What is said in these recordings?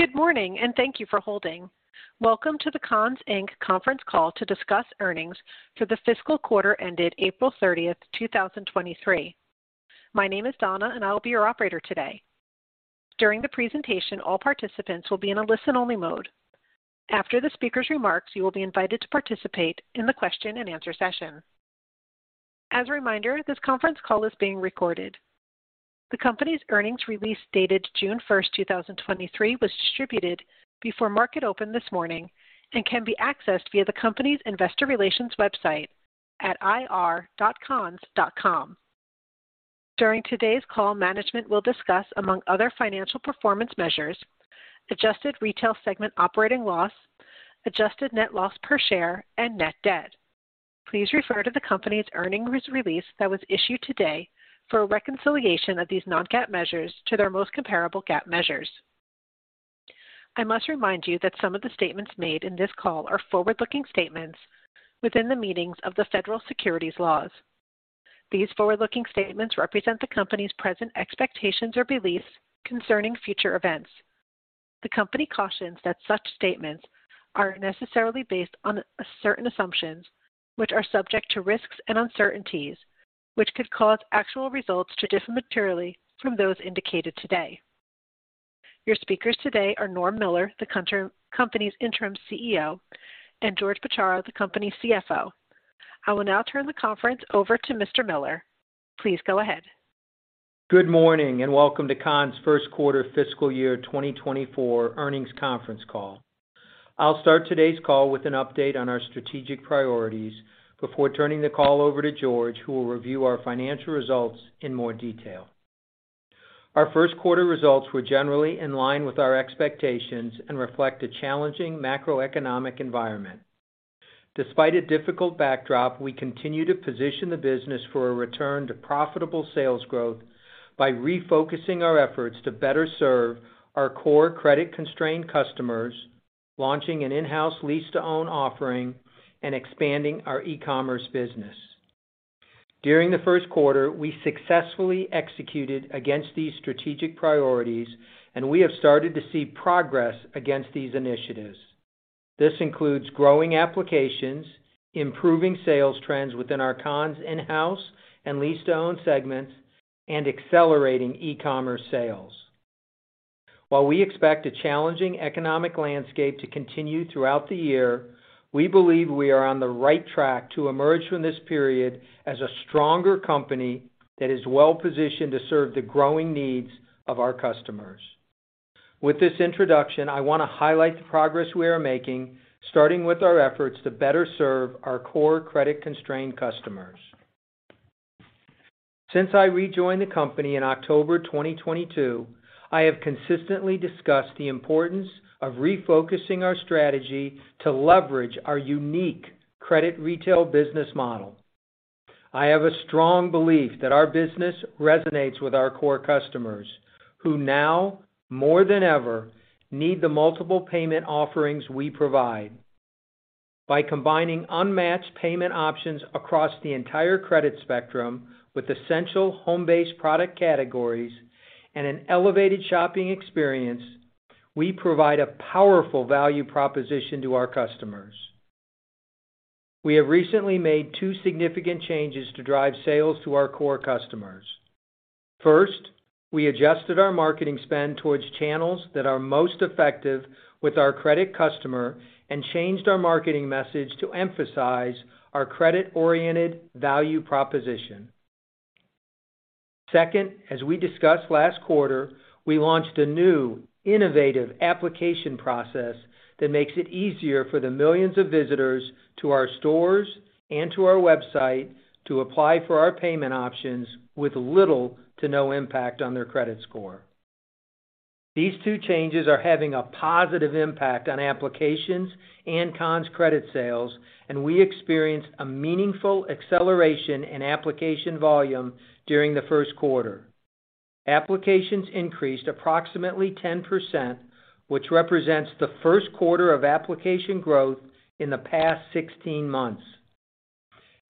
Good morning, thank you for holding. Welcome to the Conn's Inc. conference call to discuss earnings for the fiscal quarter ended April 30, 2023. My name is Donna, I will be your operator today. During the presentation, all participants will be in a listen-only mode. After the speaker's remarks, you will be invited to participate in the question and answer session. As a reminder, this conference call is being recorded. The company's earnings release, dated June 1, 2023, was distributed before market open this morning and can be accessed via the company's investor relations website at ir.conns.com. During today's call, management will discuss, among other financial performance measures, adjusted retail segment operating loss, adjusted net loss per share, and net debt. Please refer to the company's earnings release that was issued today for a reconciliation of these non-GAAP measures to their most comparable GAAP measures. I must remind you that some of the statements made in this call are forward-looking statements within the meanings of the federal securities laws. These forward-looking statements represent the company's present expectations or beliefs concerning future events. The company cautions that such statements are necessarily based on certain assumptions, which are subject to risks and uncertainties, which could cause actual results to differ materially from those indicated today. Your speakers today are Norm Miller, the company's Interim CEO, and George Bchara, the company's CFO. I will now turn the conference over to Mr. Miller. Please go ahead. Good morning. Welcome to Conn's Q1 fiscal year 2024 earnings conference call. I'll start today's call with an update on our strategic priorities before turning the call over to George, who will review our financial results in more detail. Our Q1 results were generally in line with our expectations and reflect a challenging macroeconomic environment. Despite a difficult backdrop, we continue to position the business for a return to profitable sales growth by refocusing our efforts to better serve our core credit-constrained customers, launching an in-house lease-to-own offering, and expanding our e-commerce business. During the Q1, we successfully executed against these strategic priorities, and we have started to see progress against these initiatives. This includes growing applications, improving sales trends within our Conn's in-house and lease-to-own segments, and accelerating e-commerce sales. While we expect a challenging economic landscape to continue throughout the year, we believe we are on the right track to emerge from this period as a stronger company that is well-positioned to serve the growing needs of our customers. With this introduction, I want to highlight the progress we are making, starting with our efforts to better serve our core credit-constrained customers. Since I rejoined the company in October 2022, I have consistently discussed the importance of refocusing our strategy to leverage our unique credit retail business model. I have a strong belief that our business resonates with our core customers, who now, more than ever, need the multiple payment offerings we provide. By combining unmatched payment options across the entire credit spectrum with essential home-based product categories and an elevated shopping experience, we provide a powerful value proposition to our customers. We have recently made 2 significant changes to drive sales to our core customers. First, we adjusted our marketing spend towards channels that are most effective with our credit customer and changed our marketing message to emphasise our credit-oriented value proposition. Second, as we discussed last quarter, we launched a new innovative application process that makes it easier for the millions of visitors to our stores and to our website to apply for our payment options with little to no impact on their credit score. These 2 changes are having a positive impact on applications and Conn's credit sales. We experienced a meaningful acceleration in application volume during the Q1. Applications increased approximately 10%, which represents the Q1 of application growth in the past 16 months.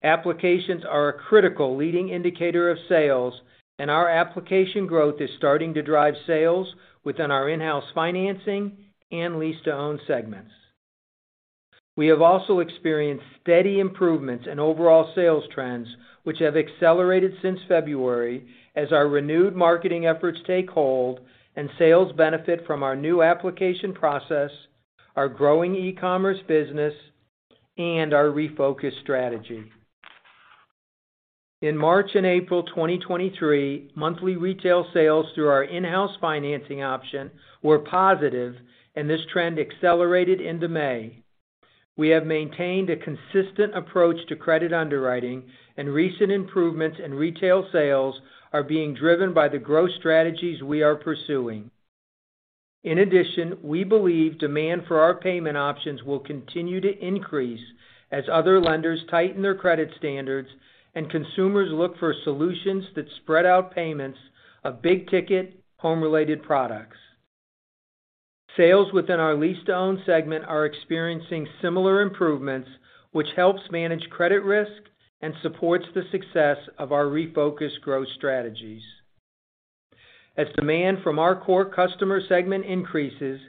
Applications are a critical leading indicator of sales, and our application growth is starting to drive sales within our in-house financing and lease-to-own segments. We have also experienced steady improvements in overall sales trends, which have accelerated since February as our renewed marketing efforts take hold and sales benefit from our new application process, our growing e-commerce business, and our refocused strategy. In March and April 2023, monthly retail sales through our in-house financing option were positive, and this trend accelerated into May. We have maintained a consistent approach to credit underwriting, and recent improvements in retail sales are being driven by the growth strategies we are pursuing. In addition, we believe demand for our payment options will continue to increase as other lenders tighten their credit standards and consumers look for solutions that spread out payments of big-ticket, home-related products. Sales within our lease-to-own segment are experiencing similar improvements, which helps manage credit risk and supports the success of our refocused growth strategies. As demand from our core customer segment increases,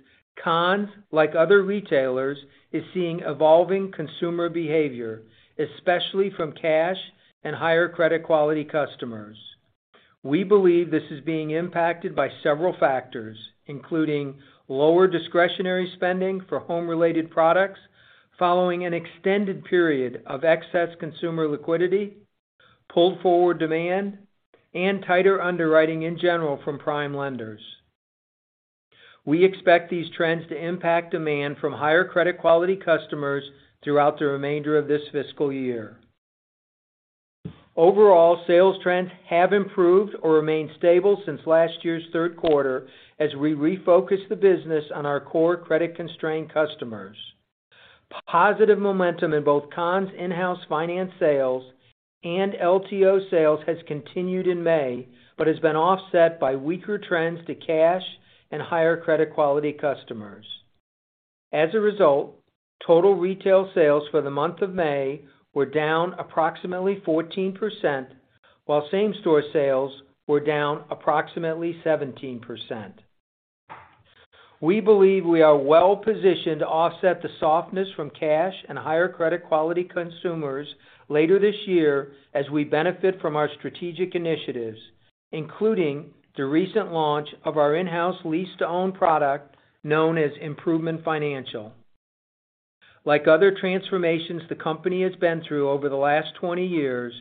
Conn's, like other retailers, is seeing evolving consumer behaviour, especially from cash and higher credit quality customers. We believe this is being impacted by several factors, including lower discretionary spending for home-related products, following an extended period of excess consumer liquidity, pulled forward demand, and tighter underwriting in general from prime lenders. We expect these trends to impact demand from higher credit quality customers throughout the remainder of this fiscal year. Overall, sales trends have improved or remained stable since last year's Q3, as we refocus the business on our core credit-constrained customers. Positive momentum in both Conn's in-house finance sales and LTO sales has continued in May, but has been offset by weaker trends to cash and higher credit quality customers. As a result, total retail sales for the month of May were down approximately 14%, while same-store sales were down approximately 17%. We believe we are well-positioned to offset the softness from cash and higher credit quality consumers later this year, as we benefit from our strategic initiatives, including the recent launch of our in-house lease-to-own product, known as Improvement Financial. Like other transformations the company has been through over the last 20 years,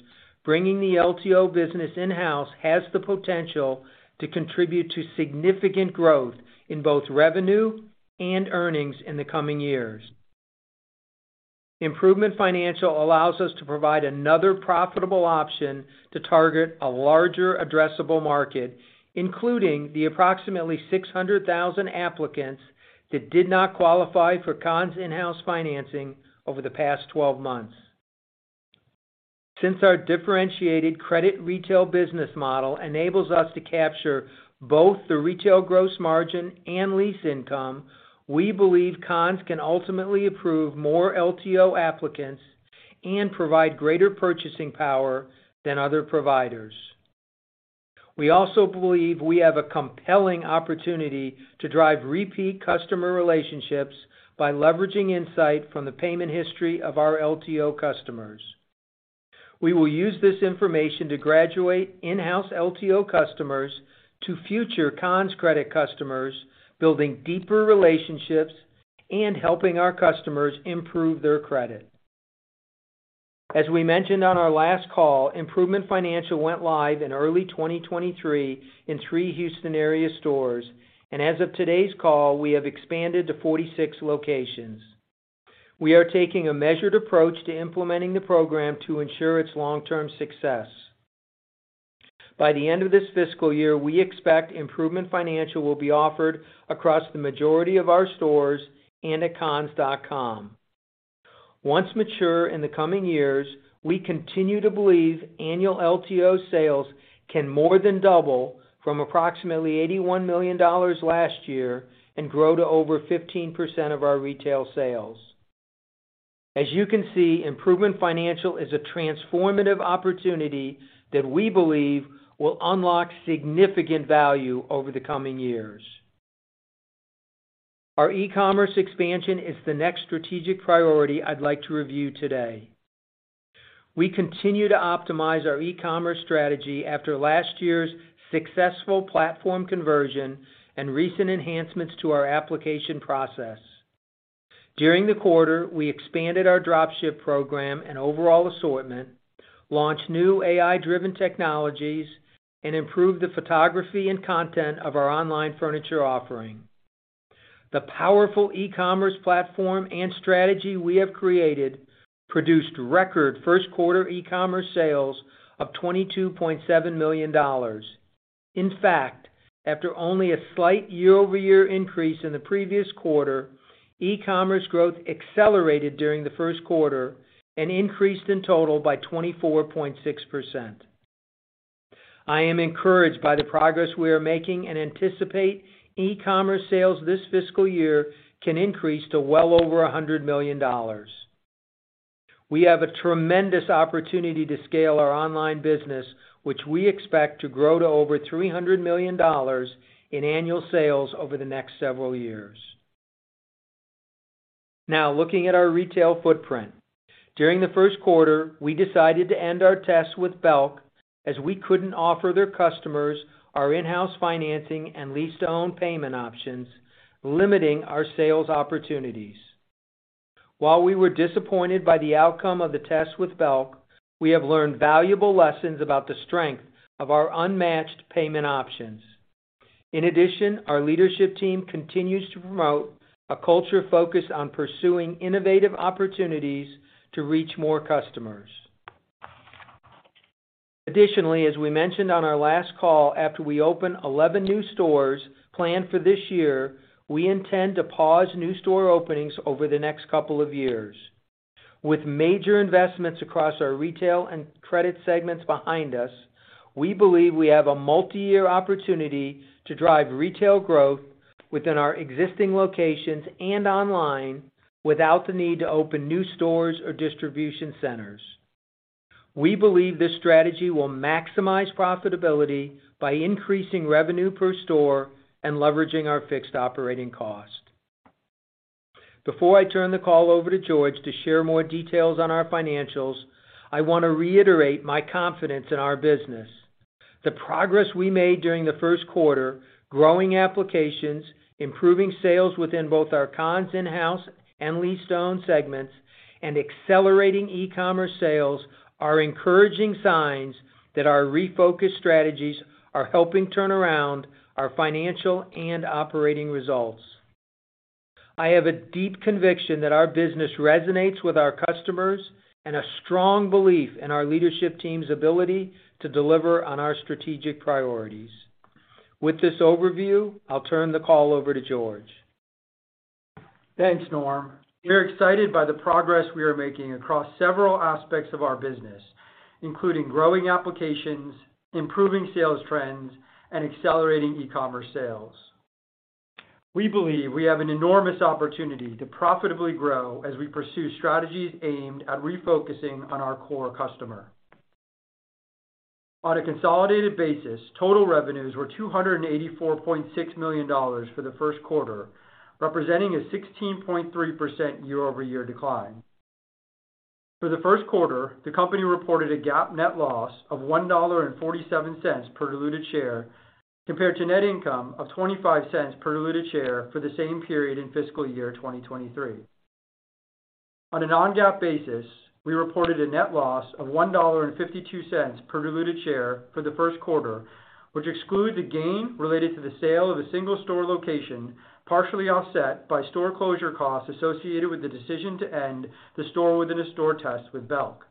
bringing the LTO business in-house has the potential to contribute to significant growth in both revenue and earnings in the coming years. Improvement Financial allows us to provide another profitable option to target a larger addressable market, including the approximately 600,000 applicants that did not qualify for Conn's in-house financing over the past 12 months. Since our differentiated credit retail business model enables us to capture both the retail gross margin and lease income, we believe Conn's can ultimately approve more LTO applicants and provide greater purchasing power than other providers. We also believe we have a compelling opportunity to drive repeat customer relationships by leveraging insight from the payment history of our LTO customers. We will use this information to graduate in-house LTO customers to future Conn's credit customers, building deeper relationships and helping our customers improve their credit. As we mentioned on our last call, Improvement Financial went live in early 2023 in 3 Houston area stores, and as of today's call, we have expanded to 46 locations. We are taking a measured approach to implementing the program to ensure its long-term success. By the end of this fiscal year, we expect Improvement Financial will be offered across the majority of our stores and at conns.com. Once mature in the coming years, we continue to believe annual LTO sales can more than double from approximately $81 million last year and grow to over 15% of our retail sales. As you can see, Improvement Financial is a transformative opportunity that we believe will unlock significant value over the coming years. Our e-commerce expansion is the next strategic priority I'd like to review today. We continue to optimise our e-commerce strategy after last year's successful platform conversion and recent enhancements to our application process. During the quarter, we expanded our drop ship program and overall assortment, launched new AI-driven technologies, and improved the photography and content of our online furniture offering. The powerful e-commerce platform and strategy we have created produced record Q1 e-commerce sales of $22.7 million. In fact, after only a slight YoY increase in the previous quarter, e-commerce growth accelerated during the Q1 and increased in total by 24.6%. I am encouraged by the progress we are making and anticipate e-commerce sales this fiscal year can increase to well over $100 million. We have a tremendous opportunity to scale our online business, which we expect to grow to over $300 million in annual sales over the next several years. Looking at our retail footprint. During the Q1, we decided to end our test with Belk, as we couldn't offer their customers our in-house financing and lease-to-own payment options, limiting our sales opportunities. While we were disappointed by the outcome of the test with Belk, we have learned valuable lessons about the strength of our unmatched payment options. Our leadership team continues to promote a culture focused on pursuing innovative opportunities to reach more customers. As we mentioned on our last call, after we open 11 new stores planned for this year, we intend to pause new store openings over the next couple of years. With major investments across our retail and credit segments behind us, we believe we have a multiyear opportunity to drive retail growth within our existing locations and online without the need to open new stores or distribution centres. We believe this strategy will maximize profitability by increasing revenue per store and leveraging our fixed operating cost. Before I turn the call over to George to share more details on our financials, I want to reiterate my confidence in our business. The progress we made during the Q1, growing applications, improving sales within both our Conn's in-house and lease-to-own segments, and accelerating e-commerce sales, are encouraging signs that our refocused strategies are helping turn around our financial and operating results. I have a deep conviction that our business resonates with our customers, and a strong belief in our leadership team's ability to deliver on our strategic priorities. With this overview, I'll turn the call over to George. Thanks, Norm. We are excited by the progress we are making across several aspects of our business, including growing applications, improving sales trends, and accelerating e-commerce sales. We believe we have an enormous opportunity to profitably grow as we pursue strategies aimed at refocusing on our core customer. On a consolidated basis, total revenues were $284.6 million for the Q1, representing a 16.3% YoY decline. For the Q1, the company reported a GAAP net loss of $1.47 per diluted share, compared to net income of $0.25 per diluted share for the same period in fiscal year 2023. On a non-GAAP basis, we reported a net loss of $1.52 per diluted share for the Q1, which excludes the gain related to the sale of a single store location, partially offset by store closure costs associated with the decision to end the store-within-a-store test with Belk.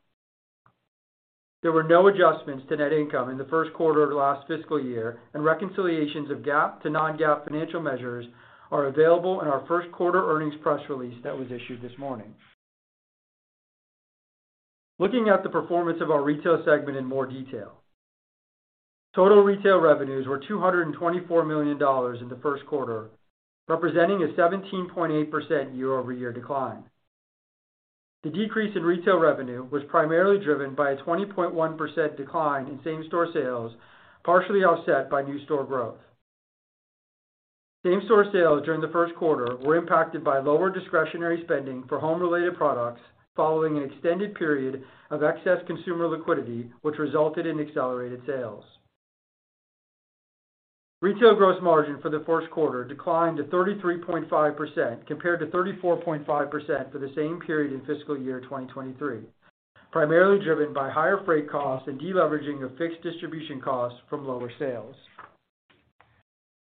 Reconciliations of GAAP to non-GAAP financial measures are available in our Q1 earnings press release that was issued this morning. Looking at the performance of our retail segment in more detail. Total retail revenues were $224 million in the Q1, representing a 17.8% YoY decline. The decrease in retail revenue was primarily driven by a 20.1% decline in same-store sales, partially offset by new store growth. Same-store sales during the Q1 were impacted by lower discretionary spending for home-related products, following an extended period of excess consumer liquidity, which resulted in accelerated sales. Retail gross margin for the Q1 declined to 33.5%, compared to 34.5% for the same period in fiscal year 2023, primarily driven by higher freight costs and deleveraging of fixed distribution costs from lower sales.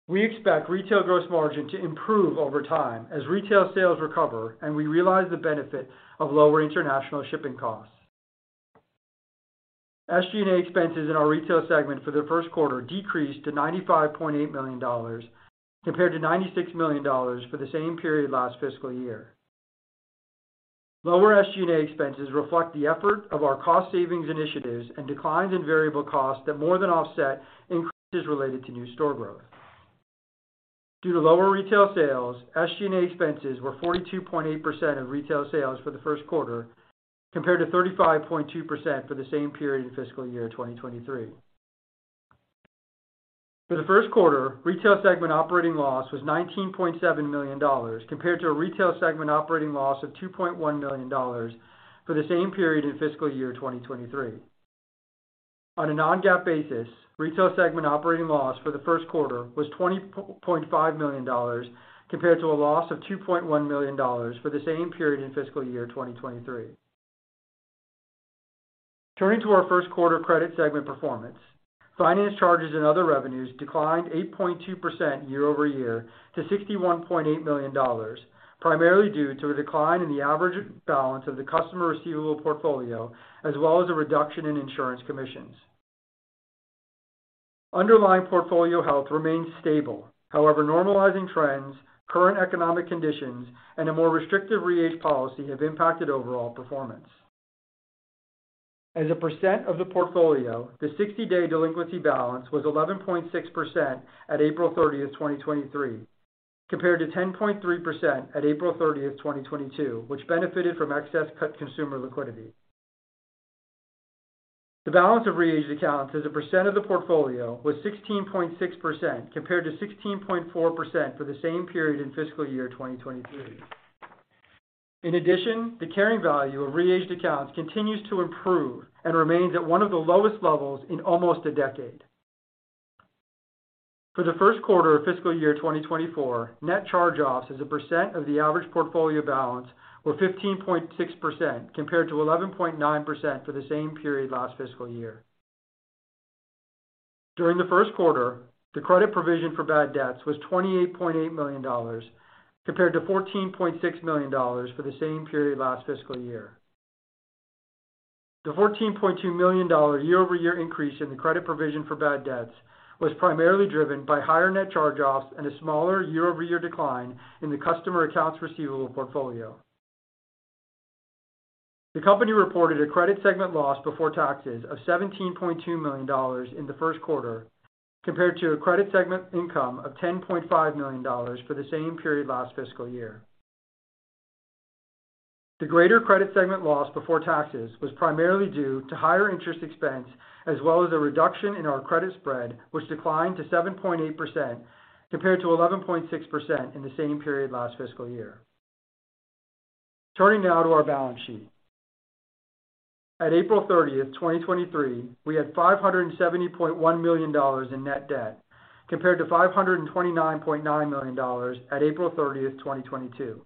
We expect retail gross margin to improve over time as retail sales recover and we realise the benefit of lower international shipping costs. SG&A expenses in our retail segment for the Q1 decreased to $95.8 million, compared to $96 million for the same period last fiscal year. Lower SG&A expenses reflect the effort of our cost savings initiatives and declines in variable costs that more than offset increases related to new store growth. Due to lower retail sales, SG&A expenses were 42.8% of retail sales for the Q1, compared to 35.2% for the same period in fiscal year 2023. For the Q1, retail segment operating loss was $19.7 million, compared to a retail segment operating loss of $2.1 million for the same period in fiscal year 2023. On a non-GAAP basis, retail segment operating loss for the Q1 was $20.5 million, compared to a loss of $2.1 million for the same period in fiscal year 2023. Turning to our Q1 credit segment performance. Finance charges and other revenues declined 8.2% YoY to $61.8 million, primarily due to a decline in the average balance of the customer receivable portfolio, as well as a reduction in insurance commissions. Underlying portfolio health remains stable. However, normalising trends, current economic conditions, and a more restrictive re-age policy have impacted overall performance. As a percent of the portfolio, the sixty-day delinquency balance was 11.6% at April 30, 2023, compared to 10.3% at April 30, 2022, which benefited from excess consumer liquidity. The balance of re-aged accounts as a percent of the portfolio was 16.6%, compared to 16.4% for the same period in fiscal year 2023. In addition, the carrying value of re-aged accounts continues to improve and remains at one of the lowest levels in almost a decade. For the Q1 of fiscal year 2024, net charge-offs as a percent of the average portfolio balance were 15.6%, compared to 11.9% for the same period last fiscal year. During the Q1, the credit provision for bad debts was $28.8 million, compared to $14.6 million for the same period last fiscal year. The $14.2 million YoY increase in the credit provision for bad debts was primarily driven by higher net charge-offs and a smaller YoY decline in the customer accounts receivable portfolio. The company reported a credit segment loss before taxes of $17.2 million in the Q1, compared to a credit segment income of $10.5 million for the same period last fiscal year. The greater credit segment loss before taxes was primarily due to higher interest expense, as well as a reduction in our credit spread, which declined to 7.8%, compared to 11.6% in the same period last fiscal year. Turning now to our balance sheet. At April 30, 2023, we had $570.1 million in net debt, compared to $529.9 million at April 30, 2022.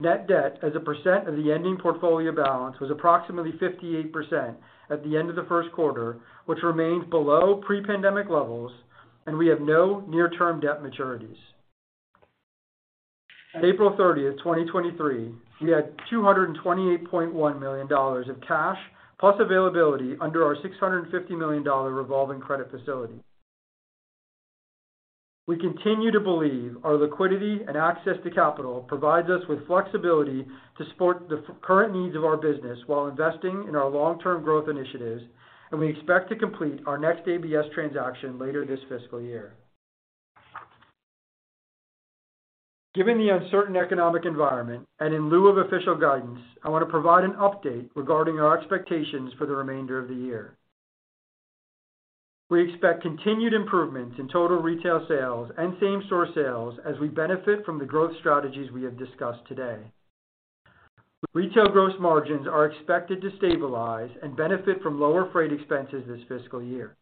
Net debt as a percent of the ending portfolio balance, was approximately 58% at the end of the Q1, which remains below pre-pandemic levels. We have no near-term debt maturities. At April 30, 2023, we had $228.1 million of cash, plus availability under our $650 million revolving credit facility. We continue to believe our liquidity and access to capital provides us with flexibility to support the current needs of our business while investing in our long-term growth initiatives. We expect to complete our next ABS transaction later this fiscal year. Given the uncertain economic environment and in lieu of official guidance, I want to provide an update regarding our expectations for the remainder of the year. We expect continued improvements in total retail sales and same-store sales as we benefit from the growth strategies we have discussed today. Retail gross margins are expected to stabilise and benefit from lower freight expenses this fiscal year.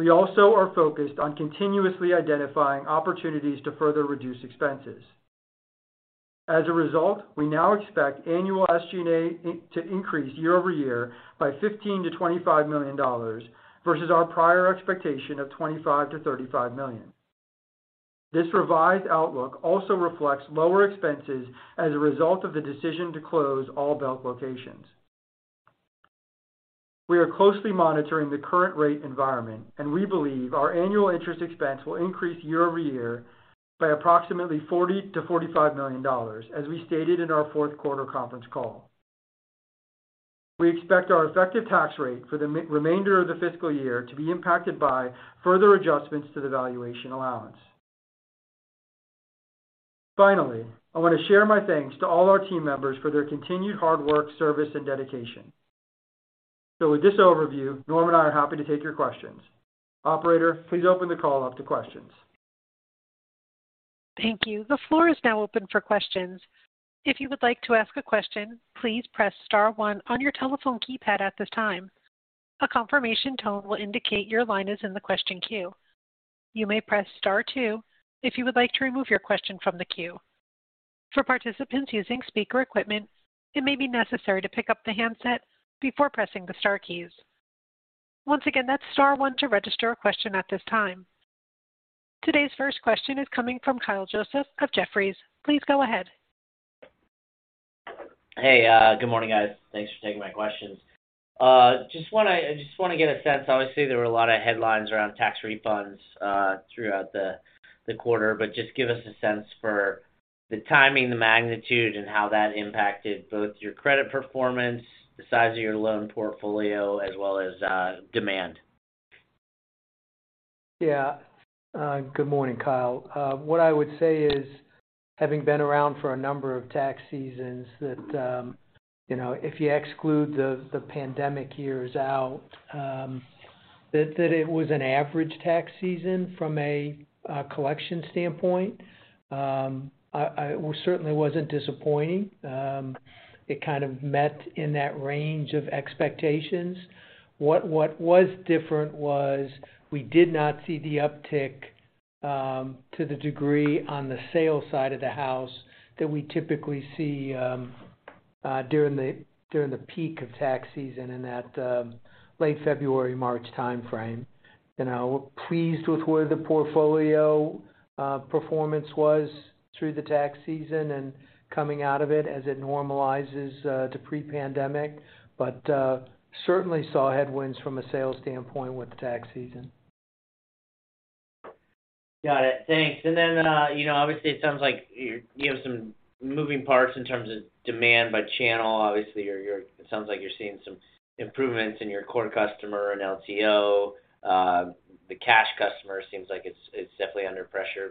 We also are focused on continuously identifying opportunities to further reduce expenses. As a result, we now expect annual SG&A to increase YoY by $15 million to $25 million versus our prior expectation of $25 million to $35 million. This revised outlook also reflects lower expenses as a result of the decision to close all Belk locations. We are closely monitoring the current rate environment, we believe our annual interest expense will increase YoY by approximately $40 million to $45 million, as we stated in our Q4 conference call. We expect our effective tax rate for the remainder of the fiscal year to be impacted by further adjustments to the valuation allowance. Finally, I want to share my thanks to all our team members for their continued hard work, service, and dedication. With this overview, Norm and I are happy to take your questions. Operator, please open the call up to questions. Thank you. The floor is now open for questions. If you would like to ask a question, please press star 1 on your telephone keypad at this time. A confirmation tone will indicate your line is in the question queue. You may press star 2 if you would like to remove your question from the queue. For participants using speaker equipment, it may be necessary to pick up the handset before pressing the star keys. Once again, that's star 1 to register a question at this time. Today's first question is coming from Kyle Joseph of Jefferies. Please go ahead. Hey, good morning, guys. Thanks for taking my questions. I just want to get a sense. Obviously, there were a lot of headlines around tax refunds throughout the quarter. Just give us a sense for the timing, the magnitude, and how that impacted both your credit performance, the size of your loan portfolio, as well as demand? Good morning, Kyle. What I would say is, having been around for a number of tax seasons, that, you know, if you exclude the pandemic years out, that it was an average tax season from a collection standpoint. It certainly wasn't disappointing. It kind of met in that range of expectations. What was different was we did not see the uptick to the degree on the sales side of the house that we typically see during the peak of tax season in that late February, March time frame. You know, we're pleased with where the portfolio performance was through the tax season and coming out of it as it normalises to pre-pandemic, but certainly saw headwinds from a sales standpoint with the tax season. Got it. Thanks. Then, you know, obviously it sounds like you have some moving parts in terms of demand by channel. Obviously, it sounds like you're seeing some improvements in your core customer and LTO. The cash customer seems like it's definitely under pressure.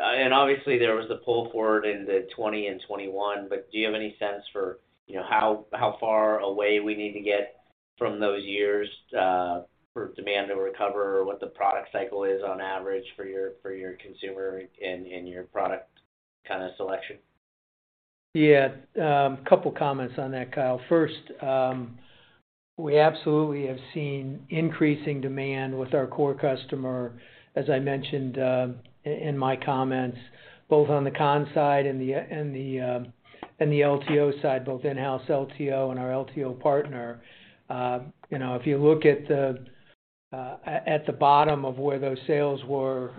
Obviously, there was the pull forward in the 2020 and 2021, do you have any sense for, you know, how far away we need to get from those years for demand to recover or what the product cycle is on average for your consumer and your product kind of selection? A couple comments on that, Kyle. First, we absolutely have seen increasing demand with our core customer, as I mentioned, in my comments, both on the Conn's side and the LTO side, both in-house LTO and our LTO partner. You know, if you look at the bottom of where those sales were,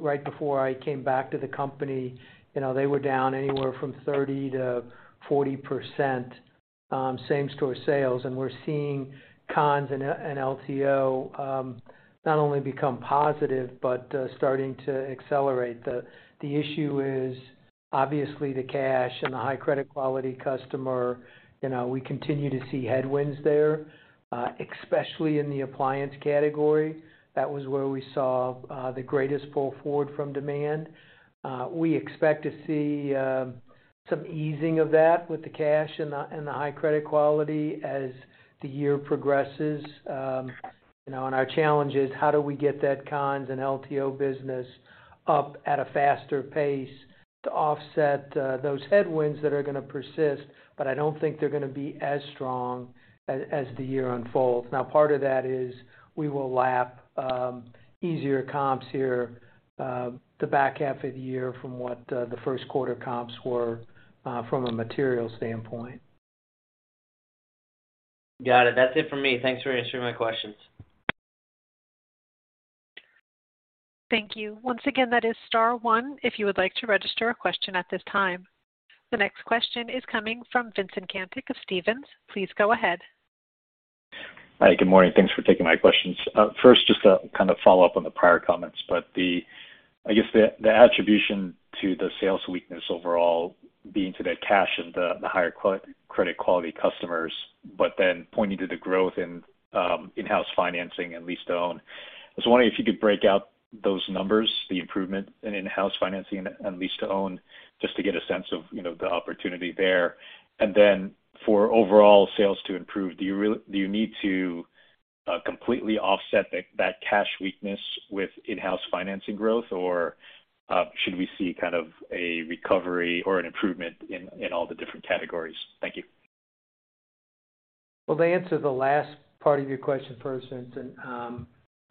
right before I came back to the company, you know, they were down anywhere from 30% to 40%.... same-store sales, we're seeing Conn's and LTO not only become positive but starting to accelerate. The issue is obviously the cash and the high credit quality customer. You know, we continue to see headwinds there, especially in the appliance category. That was where we saw the greatest pull forward from demand. We expect to see some easing of that with the cash and the high credit quality as the year progresses. You know, our challenge is how do we get that Conn's and LTO business up at a faster pace to offset those headwinds that are going to persist? I don't think they're going to be as strong as the year unfolds. Part of that is we will lap easier comps here, the back half of the year from what the Q1 comps were, from a material standpoint. Got it. That's it for me. Thanks for answering my questions. Thank you. Once again, that is star 1, if you would like to register a question at this time. The next question is coming from Vincent Caintic of Stephens. Please go ahead. Hi, good morning. Thanks for taking my questions. First, just to kind of follow up on the prior comments, but I guess, the attribution to the sales weakness overall being to the cash and the higher credit quality customers, but then pointing to the growth in in-house financing and lease-to-own. I was wondering if you could break out those numbers, the improvement in in-house financing and lease-to-own, just to get a sense of, you know, the opportunity there. For overall sales to improve, do you need to completely offset that cash weakness with in-house financing growth? Should we see kind of a recovery or an improvement in all the different categories? Thank you. To answer the last part of your question first, Vincent,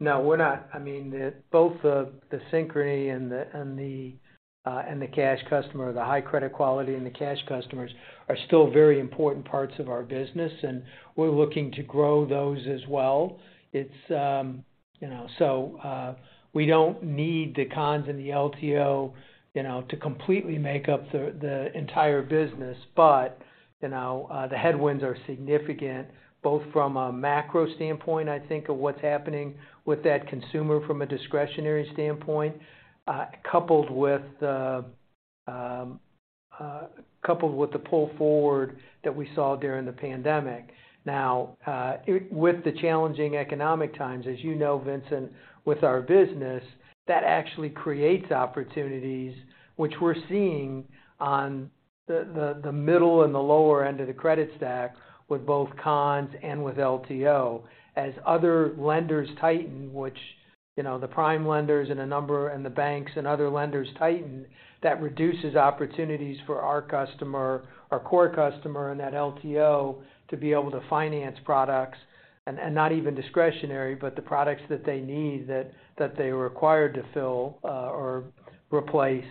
no, we're not. I mean, the, both the Synchrony and the, and the cash customer, the high credit quality and the cash customers are still very important parts of our business, and we're looking to grow those as well. It's, you know, so, we don't need the Conn's and the LTO, you know, to completely make up the entire business. You know, the headwinds are significant, both from a macro standpoint, I think, of what's happening with that consumer from a discretionary standpoint, coupled with the, coupled with the pull forward that we saw during the pandemic. With the challenging economic times, as you know, Vincent, with our business, that actually creates opportunities which we're seeing on the middle and the lower end of the credit stack with both Conn's and with LTO. As other lenders tighten, which, you know, the prime lenders and the banks and other lenders tighten, that reduces opportunities for our customer, our core customer, and that LTO, to be able to finance products and not even discretionary, but the products that they need, that they were required to fill or replace.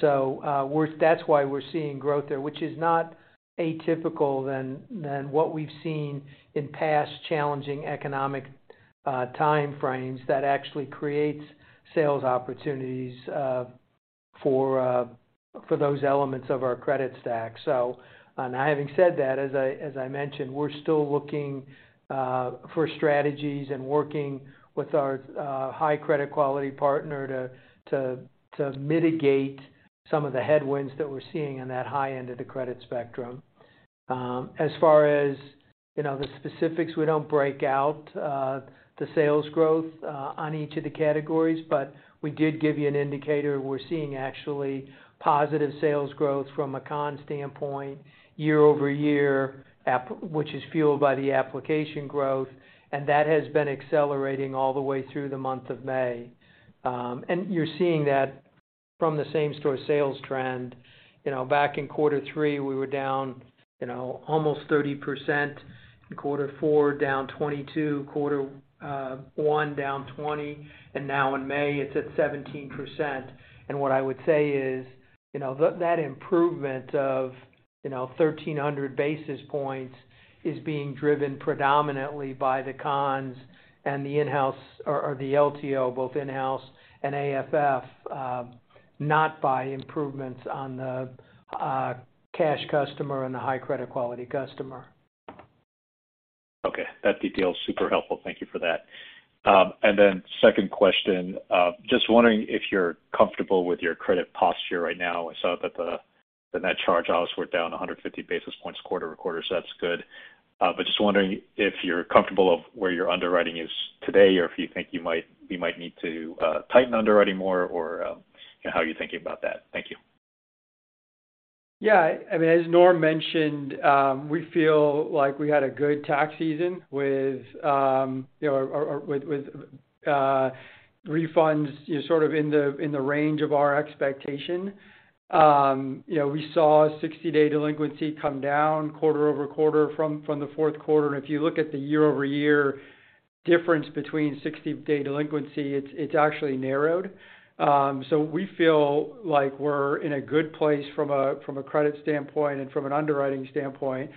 That's why we're seeing growth there, which is not atypical than what we've seen in past challenging economic time frames. That actually creates sales opportunities for those elements of our credit stack. Now, having said that, as I mentioned, we're still looking for strategies and working with our high credit quality partner to mitigate some of the headwinds that we're seeing in that high end of the credit spectrum. As far as, you know, the specifics, we don't break out the sales growth on each of the categories, but we did give you an indicator. We're seeing actually positive sales growth from a Conn's standpoint YoY, which is fuelled by the application growth, and that has been accelerating all the way through the month of May. You're seeing that from the same-store sales trend. You know, back in Q3, we were down, you know, almost 30%. In Q4, down 22, Q1, down 20, and now in May, it's at 17%. What I would say is, you know, that improvement of, you know, 1,300 basis points is being driven predominantly by the Conn's and the in-house... or the LTO, both in-house and AFF, not by improvements on the cash customer and the high credit quality customer. Okay. That detail is super helpful. Thank you for that. Second question. Just wondering if you're comfortable with your credit posture right now. I saw that the net charge-offs were down 150 basis points QoQ, so that's good. Just wondering if you're comfortable of where your underwriting is today, or if you think you might need to tighten underwriting more, or, you know, how are you thinking about that? Thank you. Yeah, I mean, as Norm mentioned, we feel like we had a good tax season with, you know, refunds, you know, sort of in the range of our expectation. You know, we saw 60-day delinquency come down QoQ from the Q4. If you look at the YoY difference between 60-day delinquency, it's actually narrowed. So we feel like we're in a good place from a credit standpoint and from an underwriting standpoint,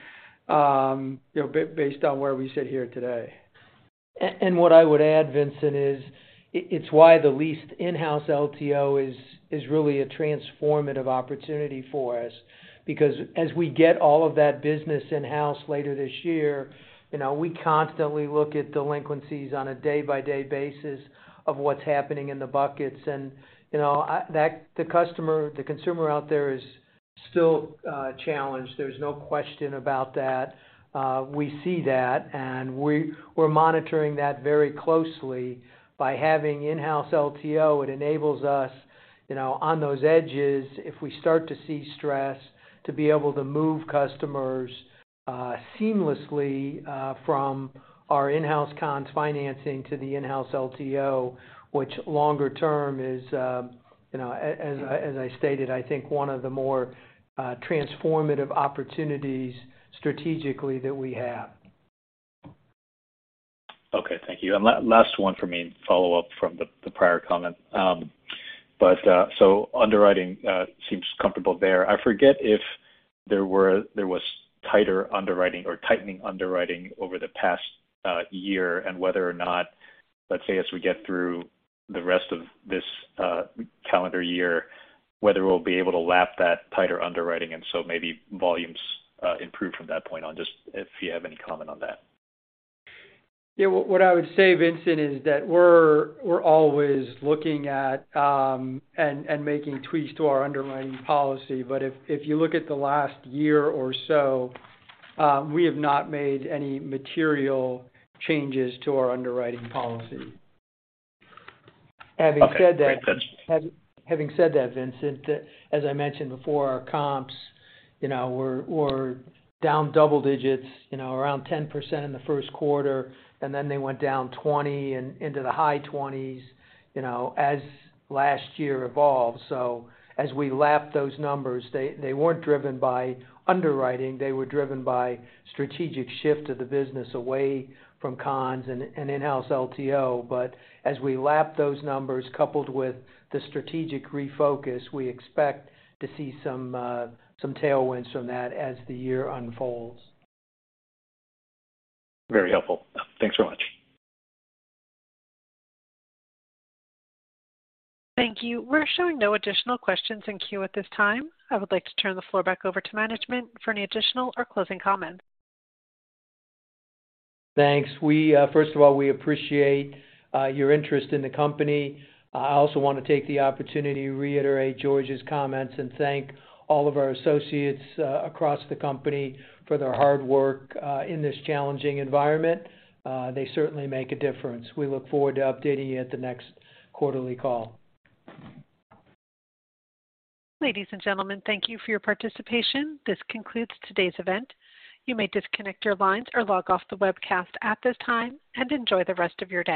you know, based on where we sit here today. What I would add, Vincent, it's why the leased in-house LTO is really a transformative opportunity for us. Because as we get all of that business in-house later this year, you know, we constantly look at delinquencies on a day-by-day basis of what's happening in the buckets. You know, that, the customer, the consumer out there is still challenged. There's no question about that. We see that, and we're monitoring that very closely by having in-house LTO. It enables us, you know, on those edges, if we start to see stress, to be able to move customers seamlessly from our in-house Conn's financing to the in-house LTO, which longer term is, you know, as I stated, I think one of the more transformative opportunities strategically that we have. Okay. Thank you. Last one for me, follow up from the prior comment. Underwriting seems comfortable there. I forget if there was tighter underwriting or tightening underwriting over the past year. Whether or not, let's say, as we get through the rest of this calendar year, whether we'll be able to lap that tighter underwriting, maybe volumes improve from that point on. Just if you have any comment on that. Yeah. What I would say, Vincent, is that we're always looking at, and making tweaks to our underwriting policy. If you look at the last year or so, we have not made any material changes to our underwriting policy. Okay. Thanks, guys. Having said that, Vincent, As I mentioned before, our comps, you know, were down double digits, you know, around 10% in the Q1, and then they went down 20 and into the high 20s, you know, as last year evolved. As we lapped those numbers, they weren't driven by underwriting. They were driven by strategic shift of the business away from Conn's and in-house LTO. As we lap those numbers, coupled with the strategic refocus, we expect to see some tailwinds from that as the year unfolds. Very helpful. Thanks so much. Thank you. We're showing no additional questions in queue at this time. I would like to turn the floor back over to management for any additional or closing comments. Thanks. We, first of all, we appreciate your interest in the company. I also want to take the opportunity to reiterate George's comments and thank all of our associates across the company for their hard work in this challenging environment. They certainly make a difference. We look forward to updating you at the next quarterly call. Ladies and gentlemen, thank you for your participation. This concludes today's event. You may disconnect your lines or log off the webcast at this time, and enjoy the rest of your day.